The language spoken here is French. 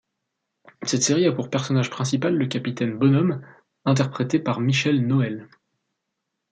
Cette série a pour personnage principal le Capitaine Bonhomme interprété par Michel Noël.